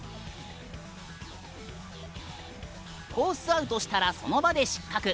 アウトしたらその場で失格。